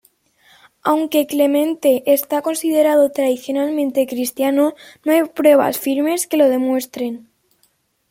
Aunque Clemente está considerado tradicionalmente cristiano, no hay pruebas firmes que lo demuestren.